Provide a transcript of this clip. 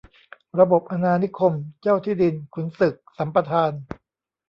ระบบอาณานิคม เจ้าที่ดิน-ขุนศึก สัมปทาน